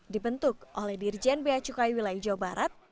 dibentuk oleh dirjen beacukai wilayah jawa barat